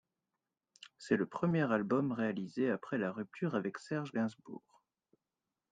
C'est le premier album réalisé après la rupture avec Serge Gainsbourg.